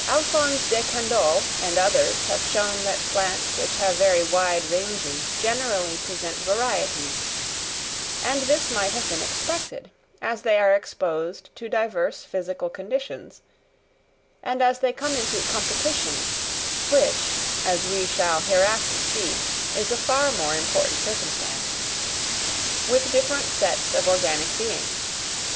Alphonse de Candolle and others have shown that plants which have very wide ranges generally present varieties; and this might have been expected, as they are exposed to diverse physical conditions, and as they come into competition (which, as we shall hereafter see, is a far more important circumstance) with different sets of organic beings.